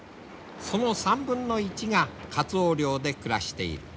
その３分の１がカツオ漁で暮らしている。